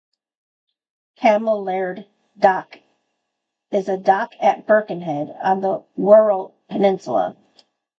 Cammell Laird Dock is a dock at Birkenhead, on the Wirral Peninsula.